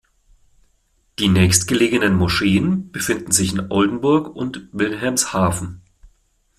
Die nächstgelegenen Moscheen befinden sich in Oldenburg und Wilhelmshaven.